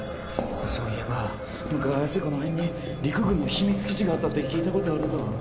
そういえば昔この辺に陸軍の秘密基地があったって聞いた事あるぞ。